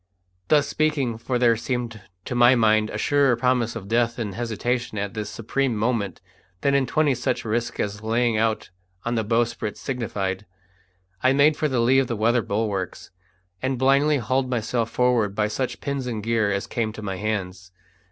Thus speaking for there seemed to my mind a surer promise of death in hesitation at this supreme moment than in twenty such risks as laying out on the bowsprit signified I made for the lee of the weather bulwarks, and blindly hauled myself forward by such pins and gear as came to my hands.